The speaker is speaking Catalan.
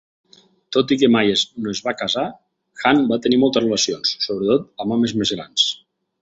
Tot i que mai no es va casar, Hunt va tenir moltes relacions, sobretot amb homes més grans.